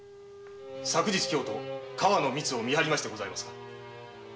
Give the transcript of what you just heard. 昨日今日と川野みつを見張りましてございますが。